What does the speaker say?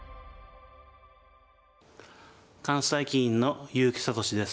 関西棋院の結城聡です。